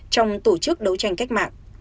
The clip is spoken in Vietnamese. trong tổ chức đấu tranh cách mạng